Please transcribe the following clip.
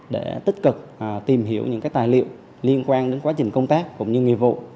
để tích cực tìm hiểu những tài liệu liên quan đến quá trình công tác cũng như nghiệp vụ